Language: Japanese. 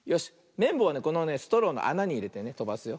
めんぼうはねこのねストローのあなにいれてねとばすよ。